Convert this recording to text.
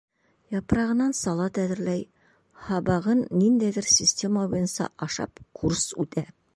Япрағынан салат әҙерләй, һабағын ниндәйҙер система буйынса ашап курс үтә.